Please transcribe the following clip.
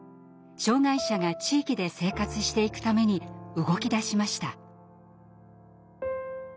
障害者が地域で生活していくために動きだしました。